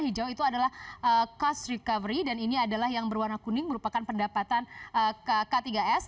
hijau itu adalah cost recovery dan ini adalah yang berwarna kuning merupakan pendapatan k tiga s